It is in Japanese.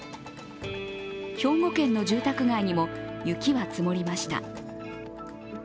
兵庫県の住宅街にも雪は積もりました。